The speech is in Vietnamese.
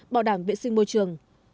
bảo đảm vệ sinh môi trường